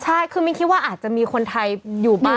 ใช่คือมิ้นคิดว่าอาจจะมีคนไทยอยู่บ้าง